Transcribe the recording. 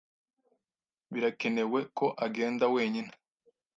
Birakenewe ko agenda wenyine.